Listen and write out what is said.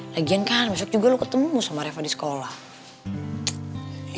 lagian kan besok juga lo ketemu sama reva di sekolah